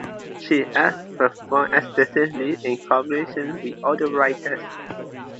She has performed extensively and in collaboration with other writers.